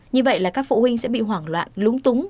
như vậy là các phụ huynh sẽ bị hoảng loạn lúng túng